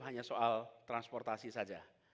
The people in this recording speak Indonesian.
hanya soal transportasi saja